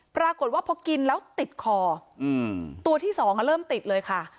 ปรากฏว่าพอกินแล้วติดคอตัวที่สองเริ่มติดเลยค่ะ